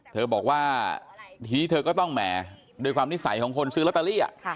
เธอบอกว่าทีนี้เธอก็ต้องแหมด้วยความนิสัยของคนซื้อลอตเตอรี่